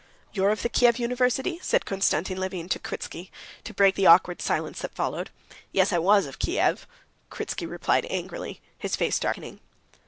"You're of the Kiev university?" said Konstantin Levin to Kritsky, to break the awkward silence that followed. "Yes, I was of Kiev," Kritsky replied angrily, his face darkening.